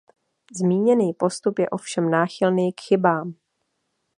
Zmíněný postup je ovšem náchylný k chybám.